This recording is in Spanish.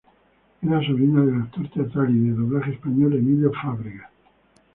Era sobrina del actor teatral y de doblaje español Emilio Fábregas.